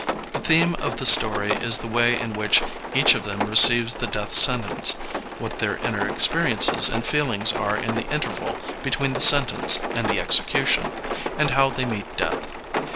The theme of the story is the way in which each of them receives the death sentence: what their inner experiences and feelings are in the interval between the sentence and the execution, and how they meet death.